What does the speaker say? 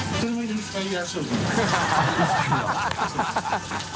ハハハ